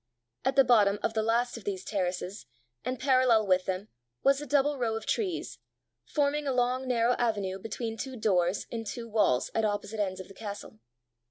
At the bottom of the last of these terraces and parallel with them, was a double row of trees, forming a long narrow avenue between two little doors in two walls at opposite ends of the castle.